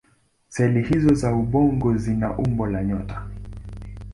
Seli hizO za ubongo zina umbo la nyota.